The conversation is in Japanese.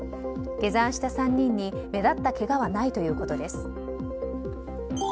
下山した３人に目立ったけがはないということです。